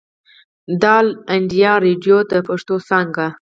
د آل انډيا ريډيو د پښتو څانګې